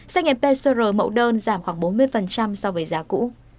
xét nghiệm pcr mẫu đơn giảm khoảng bốn mươi so với giá cũ